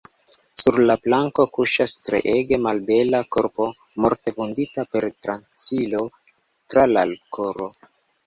Sur la planko kuŝas treege malbela korpo, morte vundita per tranĉilo tra la koro.